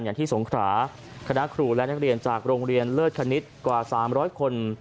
อย่างที่สงขราคณะครูและนักเรียนจากโรงเรียนเลิศคณิตกว่า๓๐๐คน